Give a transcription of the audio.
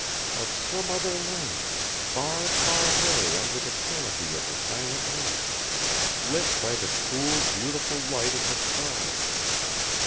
Of some other land, far, far away under the canopy of the silent night, lit by the cool, beautiful light of the stars.